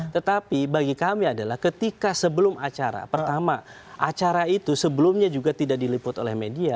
tetapi bagi kami adalah ketika sebelum acara pertama acara itu sebelumnya juga tidak diliput oleh media